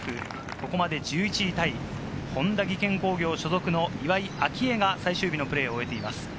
ここまで１１位タイ、本田技研工業所属の岩井明愛が最終日のプレーを終えています。